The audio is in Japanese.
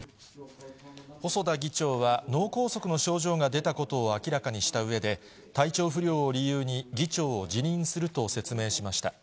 細田議長は、脳梗塞の症状が出たことを明らかにしたうえで、体調不良を理由に、議長を辞任すると説明しました。